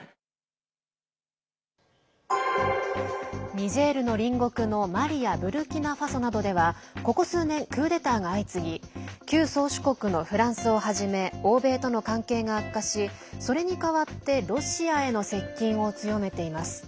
ニジェールの隣国のマリやブルキナファソなどではここ数年、クーデターが相次ぎ旧宗主国のフランスをはじめ欧米との関係が悪化しそれに代わってロシアへの接近を強めています。